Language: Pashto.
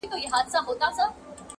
ړوند یې د فکر پر سمو لارو -